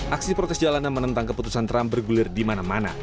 aksi protes jalanan menentang keputusan trump bergulir di mana mana